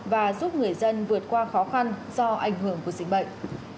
và giúp người dân vượt qua khó khăn do ảnh hưởng của dịch bệnh